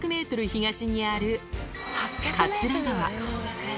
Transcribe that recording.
東にある桂川。